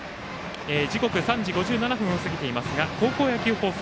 時刻は３時５７分を過ぎていますが高校野球放送